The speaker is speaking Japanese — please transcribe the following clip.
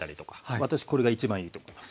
私これが一番いいと思います。